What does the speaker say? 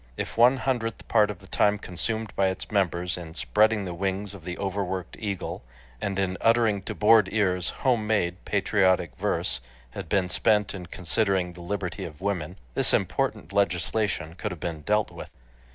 If one hundredth part of the time consumed by its members in spreading the wings of the overworked eagle, and in uttering to bored ears "home made" patriotic verse, had been spent in considering the liberty of women, this important legislation could have been dealt with.